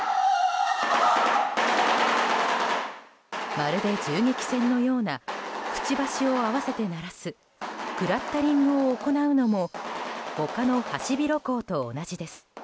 まるで銃撃戦のようなくちばしを合わせて鳴らすクラッタリングを行うのも他のハシビロコウと同じです。